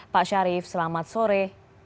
pak syarif selamat sore